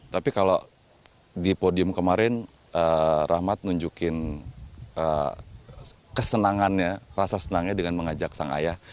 tapi kalau di podium kemarin rahmat nunjukin kesenangannya rasa senangnya dengan mengajak sang ayah